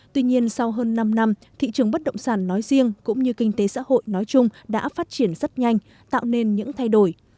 tuy nhiên sau hơn năm năm thị trường bất động sản nói riêng cũng như kinh tế xã hội nói chung đã phát triển rất nhanh tạo nên những thay đổi